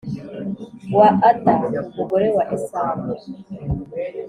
wa Ada umugore wa Esawu